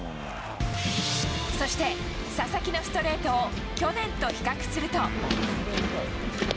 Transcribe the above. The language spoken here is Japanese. そして、佐々木のストレートを去年と比較すると。